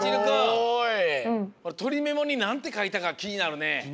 すごい！とりメモになんてかいたかきになるね。